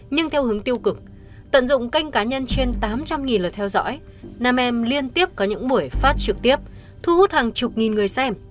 nhưng theo hướng tiêu cực tận dụng kênh cá nhân trên tám trăm linh lượt theo dõi nam em liên tiếp có những buổi phát trực tiếp thu hút hàng chục nghìn người xem